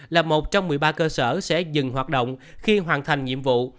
là một trong một mươi ba cơ sở sẽ dừng hoạt động khi hoàn thành nhiệm vụ